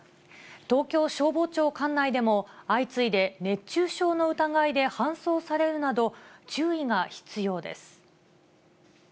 東京消防庁管内でも、相次いで熱中症の疑いで搬送されるなど、注意が必要です。